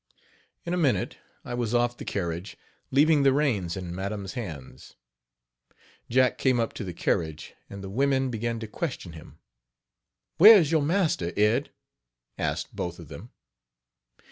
" In a minute I was off the carriage, leaving the reins in madam's hands. Jack came up to the carriage, and the women began to question him: "Where is your Master, Ed," asked both of them.